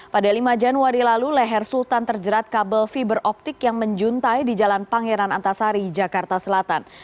pada lima januari lalu leher sultan terjerat kabel fiber optik yang menjuntai di jalan pangeran antasari jakarta selatan